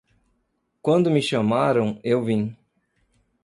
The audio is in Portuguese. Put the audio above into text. Quando me chamaram, eu vim